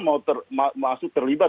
mau masuk terlibat